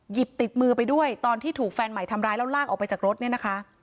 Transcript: หยิบติดมือไปด้วยตอนที่ถูกแฟนใหม่ทำร้ายแล้วลากออกไปจากรถเนี่ยนะคะ